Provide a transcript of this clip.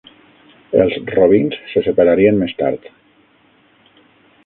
Els Robins se separarien més tard.